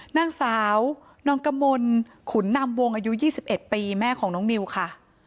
นางสาวนอนกมลขุนนำวงอายุ๒๑ปีแม่ของน้องนิวค่ะ